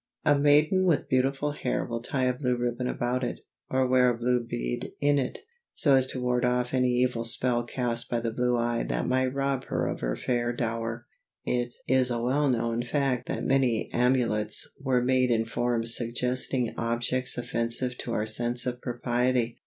A maiden with beautiful hair will tie a blue ribbon about it, or wear a blue bead in it, so as to ward off any evil spell cast by the blue eye that might rob her of her fair dower. It is a well known fact that many amulets were made in forms suggesting objects offensive to our sense of propriety.